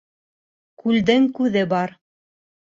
Күлдең күҙе бар.